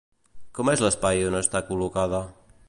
Com és l'espai on està col·locada?